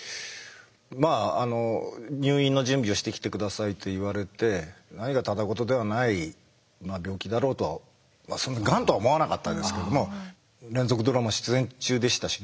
まああの「入院の準備をしてきて下さい」と言われて何かただ事ではない病気だろうとはがんとは思わなかったですけども連続ドラマ出演中でしたしね。